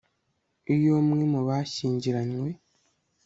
Iyo umwe mu bashyingiranywe